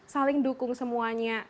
saling dukung semuanya